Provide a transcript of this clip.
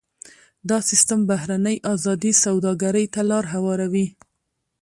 دا سیستم بهرنۍ ازادې سوداګرۍ ته لار هواروي.